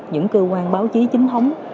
những cơ quan báo chí chính thống